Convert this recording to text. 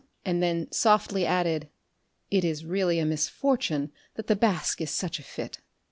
and then softly added, "It Is really a misfortune that the basque is such a fit."